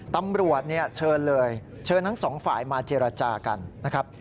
ตำรวจเนี่ยเชิญเลยเชิญทั้งสองฝ่ายมาเจรจากันนะครับ